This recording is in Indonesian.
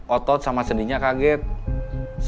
otot sama sendinya keaje esos